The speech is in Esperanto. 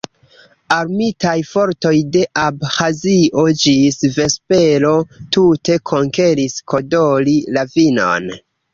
Armitaj fortoj de Abĥazio ĝis vespero tute konkeris Kodori-ravinon.